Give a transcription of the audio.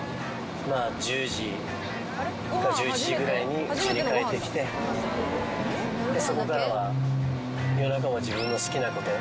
まあ１０時か１１時ぐらいにうちに帰ってきてそこからは夜中は自分の好きなこと。